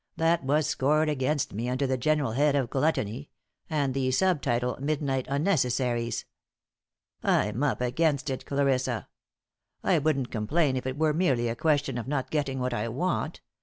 That was scored against me, under the general head of 'Gluttony,' and the sub title 'Midnight Unnecessaries.' I'm up against it, Clarissa. I wouldn't complain if it were merely a question of not getting what I want.